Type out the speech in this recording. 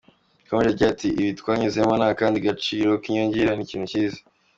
Yakomeje agira ati “Ibi twanyuzemo ni akandi gaciro k’inyongera, ni ikintu cyiza.